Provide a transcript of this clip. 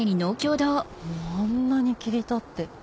もうあんなに切り立って。